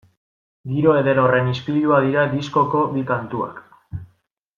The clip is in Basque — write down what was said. Giro eder horren ispilua dira diskoko bi kantuak.